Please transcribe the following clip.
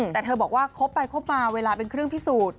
แต่เธอบอกว่าคบไปคบมาเวลาเป็นเครื่องพิสูจน์